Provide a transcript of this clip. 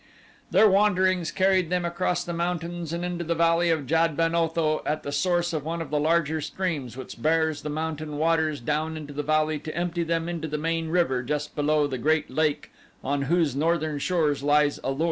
Their wanderings carried them across the mountains and into the Valley of Jad ben Otho at the source of one of the larger streams which bears the mountain waters down into the valley to empty them into the main river just below The Great Lake on whose northern shore lies A lur.